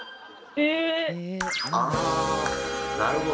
あなるほど。